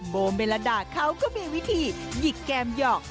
โบเมลดาเขาก็มีวิธีหยิกแกมหยอก